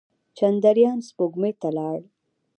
چندریان سپوږمۍ ته لاړ.